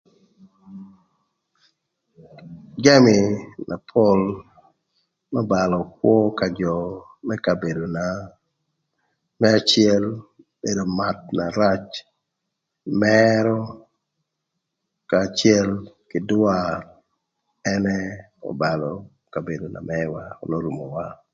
Jami na pol n'öbalö kwö ka jö më kabedona më acël obedo mat na rac, mërö, kanya acël kï dwar ënë öbalö kabedo na mëwa n'orumowa.